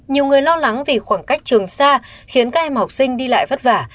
nhiều người lo lắng vì khoảng cách trường xa khiến các em học sinh đi lại vất vả